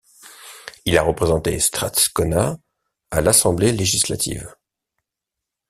Il a représenté Strathcona à l’assemblée législative.